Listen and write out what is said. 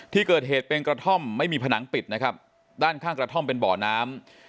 ที่เกิดเหตุเป็นกระท่อมไม่มีผนังปิดนะครับด้านข้างกระท่อมเป็นบ่อน้ำ